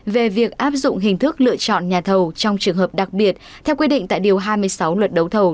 về việc áp dụng hình thức lựa chọn nhà thầu trong trường hợp đặc biệt theo quy định tại điều hai mươi sáu luật đấu thầu